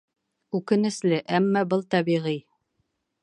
Үкенесле, әммә был тәбиғи.